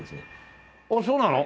あっそうなの？